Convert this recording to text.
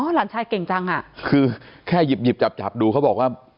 หลานชายเก่งจังอ่ะคือแค่หยิบหยิบจับจับดูเขาบอกว่า